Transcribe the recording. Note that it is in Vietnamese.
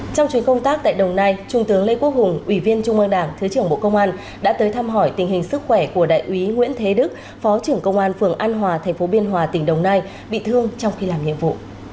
trong chuyến công tác tại đồng nai trung tướng lê quốc hùng ủy viên trung ương đảng thứ trưởng bộ công an đã tới thăm hỏi tình hình sức khỏe của đại úy nguyễn thế đức phó trưởng công an phường an hòa thành phố biên hòa tỉnh đồng nai bị thương trong khi làm nhiệm vụ